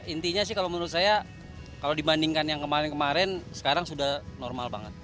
intinya sih kalau menurut saya kalau dibandingkan yang kemarin kemarin sekarang sudah normal banget